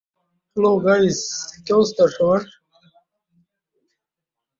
কয়েক বছর পর তিনি কীবোর্ড বাজানো শুরু করেন।